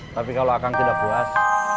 tapi kalau akan tidak puas